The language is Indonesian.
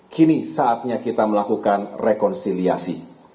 kini saatnya kita melakukan rekonsiliasi